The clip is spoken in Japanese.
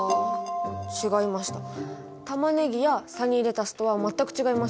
タマネギやサニーレタスとは全く違いました。